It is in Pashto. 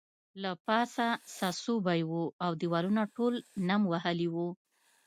له پاسه څڅوبی وو او دیوالونه ټول نم وهلي وو